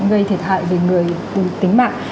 gây thiệt hại về người tính mạng